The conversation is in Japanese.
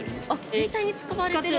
実際に使われてる？